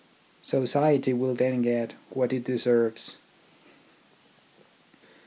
Society will then get what it deserves.